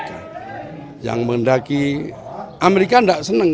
karena mereka akan tahu